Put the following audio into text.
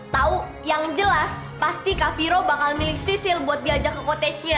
tau yang jelas pasti kak viro bakal milih sisil buat diajak ke kotejnya